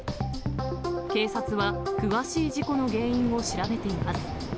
警察は詳しい事故の原因を調べています。